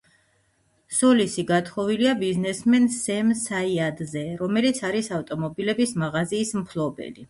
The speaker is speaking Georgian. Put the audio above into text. სოლისი გათხოვილია ბიზნესმენ სემ საიადზე, რომელიც არის ავტომობილების მაღაზიის მფლობელი.